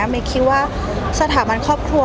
เมย์คิดว่าสถาบันครอบครัว